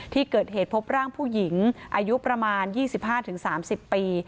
ที่เกิดเหตุพบร่างผู้หญิงอายุประมาณ๒๕๓๐ปี